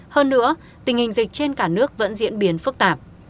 hơn nữa tình hình dịch trên cả nước vẫn diễn biến phức tạp